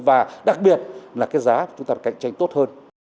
và đặc biệt là cái giá của chúng ta phải cạnh tranh tốt hơn